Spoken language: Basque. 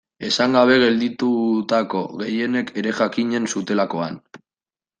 Esan gabe gelditutako gehienek ere jakinen zutelakoan.